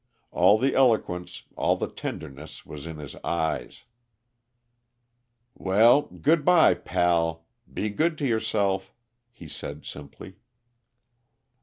All the eloquence, all the tenderness, was in his eyes. "Well good by, pal. Be good to yourself," he said simply.